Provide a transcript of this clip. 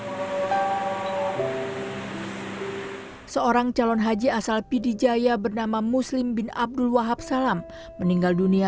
hai seorang calon haji asal pidijaya bernama muslim bin abdul wahab salam meninggal dunia